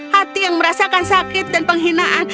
hati yang merasakan sakit dan penghinaan